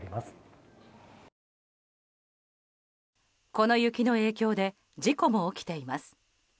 この雪の影響で事故も起きています。